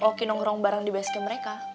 oki nongkrong bareng di basecamp mereka